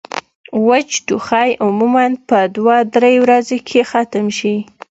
وچ ټوخی عموماً پۀ دوه درې ورځې کښې ختم شي